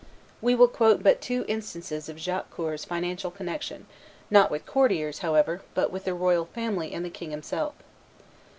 We will quote but two instances of Jacques Coeur's financial connection, not with courtiers, however, but with the royal family and the king himself.